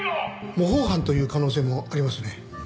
模倣犯という可能性もありますね。